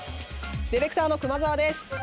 ディレクターの熊澤です。